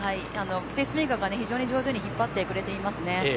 ペースメーカーが非常に上手に引っ張ってくれていますね。